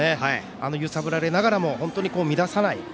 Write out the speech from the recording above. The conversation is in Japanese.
揺さぶられながらも乱さない。